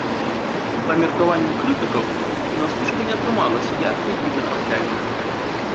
Па меркаванню крытыкаў, кінастужка не атрымалася яркай і захапляльнай.